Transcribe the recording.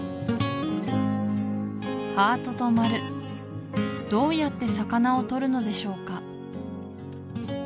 ハートと丸どうやって魚をとるのでしょうか？